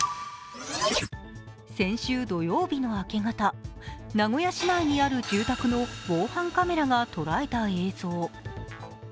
先週土曜日の明け方、名古屋市内にある住宅の防犯カメラが捉えた映像。